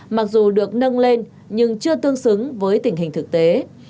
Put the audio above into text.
mặc dù được nâng lên nhưng chưa tương xứng với tình hình thực tế